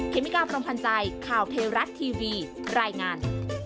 เคมิกาพร้อมพันธ์ใจข่าวเทรัตน์ทีวีรายงาน